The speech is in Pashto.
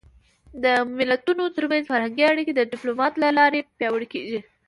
د ملتونو ترمنځ فرهنګي اړیکې د ډيپلومات له لارې پیاوړې کېږي.